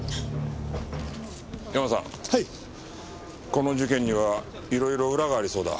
この事件にはいろいろ裏がありそうだ。